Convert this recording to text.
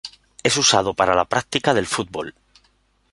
Es usado para la práctica del fútbol.